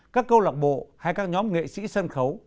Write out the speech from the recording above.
các câu lạc bộ hay các nhóm nghệ sĩ sân khấu